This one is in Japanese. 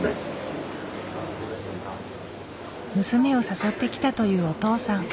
娘を誘ってきたというお父さん。